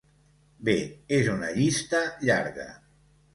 Bé, és una llista llarga.